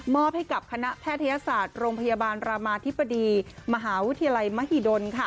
ให้กับคณะแพทยศาสตร์โรงพยาบาลรามาธิบดีมหาวิทยาลัยมหิดล